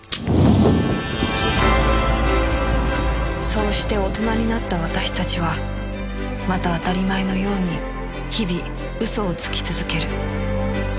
そうして大人になった私たちはまた当たり前のように日々嘘をつき続ける